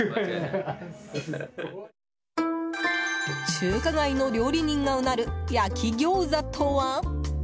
中華街の料理人がうなる焼き餃子とは？